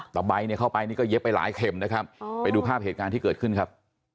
ใบเนี่ยเข้าไปนี่ก็เย็บไปหลายเข็มนะครับไปดูภาพเหตุการณ์ที่เกิดขึ้นครับ